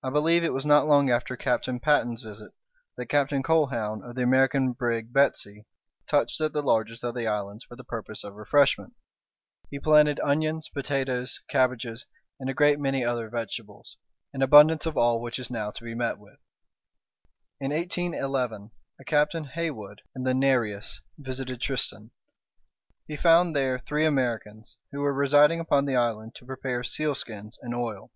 I believe it was not long after Captain Patten's visit that Captain Colquhoun, of the American brig Betsey, touched at the largest of the islands for the purpose of refreshment. He planted onions, potatoes, cabbages, and a great many other vegetables, an abundance of all which is now to be met with. In 1811, a Captain Haywood, in the Nereus, visited Tristan. He found there three Americans, who were residing upon the island to prepare sealskins and oil.